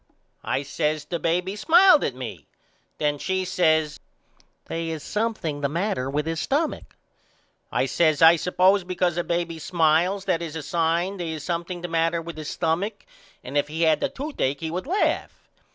I says The baby smiled at me. Then she says They is something the matter with his stumach. I says I suppose because a baby smiles that is a sign they is something the matter with his stumach and if he had the toothacke he would laugh.